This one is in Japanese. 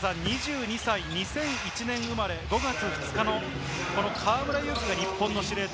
２２歳、２００１年５月２日生まれの河村勇輝が日本の司令塔。